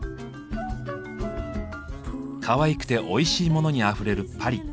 かわいくておいしいモノにあふれるパリ。